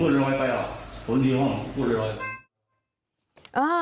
กดละลอยเพราะลงหน่อยละลอย